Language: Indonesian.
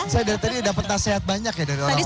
saya dari tadi dapat nasihat banyak ya dari orang tua